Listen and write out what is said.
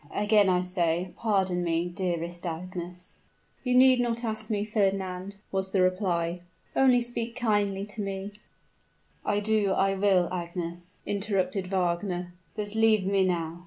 Again I say, pardon me, dearest Agnes." "You need not ask me, Fernand," was the reply. "Only speak kindly to me " "I do, I will, Agnes," interrupted Wagner. "But leave me now!